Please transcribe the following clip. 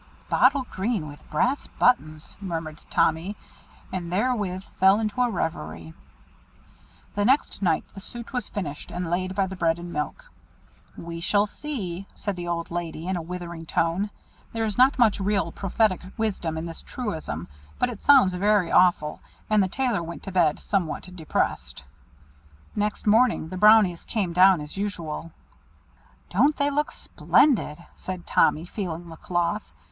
"Bottle green, with brass buttons," murmured Tommy, and therewith fell into a reverie. The next night the suit was finished, and laid by the bread and milk. "We shall see," said the old lady, in a withering tone. There is not much real prophetic wisdom in this truism, but it sounds very awful, and the Tailor went to bed somewhat depressed. Next morning the Brownies came down as usual. "Don't they look splendid?" said Tommy, feeling the cloth.